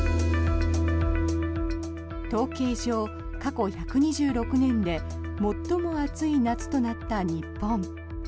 統計上、過去１２６年で最も暑い夏となった日本。